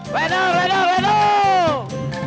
ledang ledang ledang